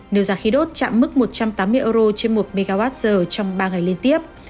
nếu giá khí đốt chạm mức một trăm tám mươi euro trên một mwh trong ba ngày liên tiếp